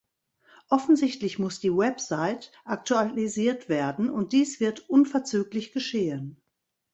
Offensichtlich muss die Website aktualisiert werden, und dies wird unverzüglich geschehen.